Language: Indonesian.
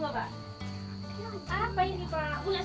apa itu pak